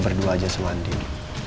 berdua aja sama andin